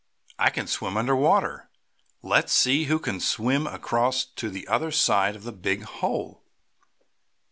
"I can swim under water!" "Let's see who can first swim across to the other side of the big hole!"